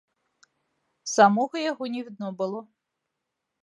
Самога яго не відно было.